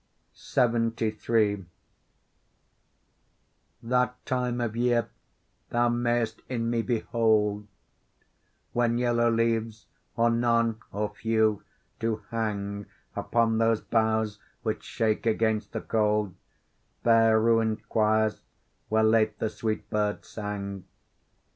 LXXIII That time of year thou mayst in me behold When yellow leaves, or none, or few, do hang Upon those boughs which shake against the cold, Bare ruin'd choirs, where late the sweet birds sang.